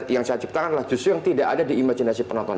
yang saya ciptakan adalah justru yang tidak ada di imajinasi penonton